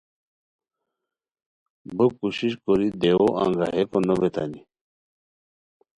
بوکوشش کوری دیوؤ انگاہیکو نوبیتانی